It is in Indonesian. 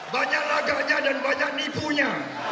banyak laganya dan banyak nipunya